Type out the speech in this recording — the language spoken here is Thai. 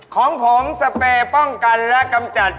ของผมสเปรย์ป้องกันและกำจัด